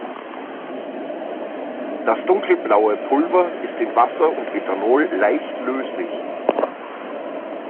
Das dunkelblaue Pulver ist in Wasser und Ethanol leicht löslich.